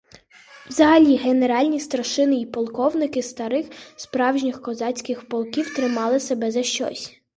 Взагалі, генеральні старшини і полковники старих, справжніх козацьких полків тримали себе за щось окреме.